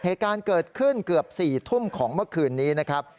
เหตุการณ์เกิดขึ้นเกือบ๔ทุ่มของเมื่อคืนนี้นะครับ